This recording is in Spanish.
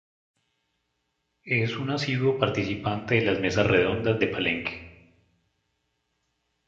Es un asiduo participante de las Mesas Redondas de Palenque.